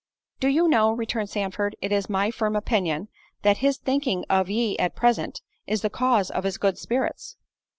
"Do you know," returned Sandford, "it is my firm opinion, that his thinking of ye at present, is the cause of his good spirits."